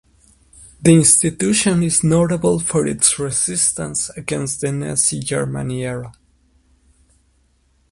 The institution is notable for its resistance against the Nazi Germany era.